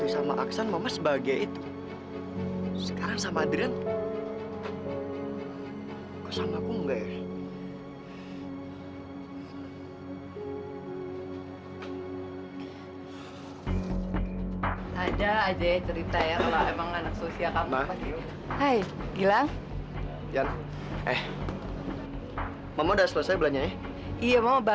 sampai jumpa di video selanjutnya